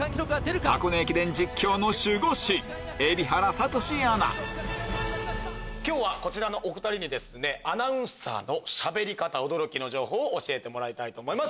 そして今日はこちらのお２人にアナウンサーのしゃべり方驚きの情報を教えてもらいたいと思います。